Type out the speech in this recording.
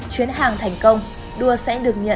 chuyến hàng thành công đua sẽ được nhận